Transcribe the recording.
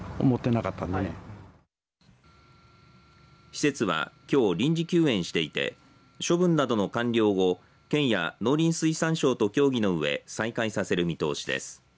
施設はきょう臨時休園していて処分などの完了後県や農林水産省と協議のうえ再開させる見通しです。